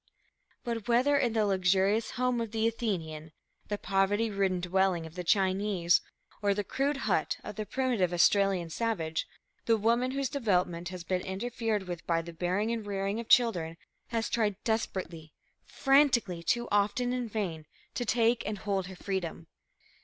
But, whether in the luxurious home of the Athenian, the poverty ridden dwelling of the Chinese, or the crude hut of the primitive Australian savage, the woman whose development has been interfered with by the bearing and rearing of children has tried desperately, frantically, too often in vain, to take and hold her freedom.